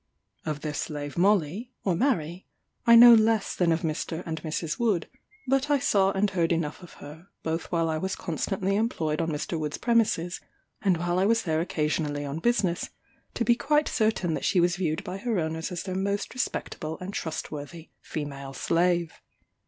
"Of their slave Molly (or Mary) I know less than of Mr. and Mrs. Wood; but I saw and heard enough of her, both while I was constantly employed on Mr. Wood's premises, and while I was there occasionally on business, to be quite certain that she was viewed by her owners as their most respectable and trustworthy female slave.